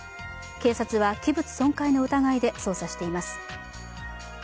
警察は器物損壊の疑いで捜査しています。